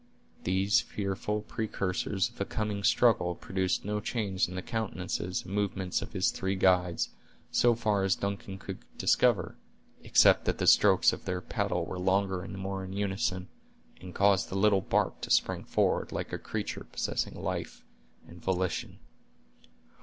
These fearful precursors of a coming struggle produced no change in the countenances and movements of his three guides, so far as Duncan could discover, except that the strokes of their paddles were longer and more in unison, and caused the little bark to spring forward like a creature possessing life and volition.